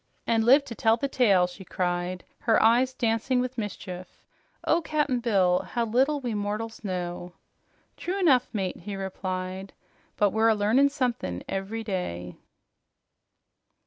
"An' lived to tell the tale!" she cried, her eyes dancing with mischief. "Oh, Cap'n Bill, how little we mortals know!" "True enough, mate," he replied, "but we're a learnin' something ev'ry day."